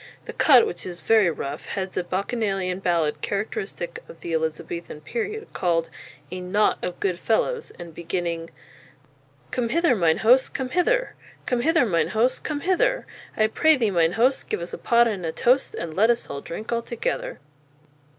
The cut, which is very rough, heads a bacchanalian ballad characteristic of the Elizabethan period, called "A Knotte of Good Fellows," and beginning: _Come hither, mine host, come hither! Come hither, mine host, come hither! I pray thee, mine host, Give us a pot and a tost, And let us drinke all together.